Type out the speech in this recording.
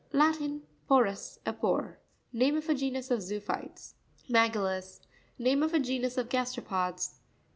Latin, porus,a pore. Name of a genus of zoophytes. Ma'citus.—Name of a genus of gas teropods.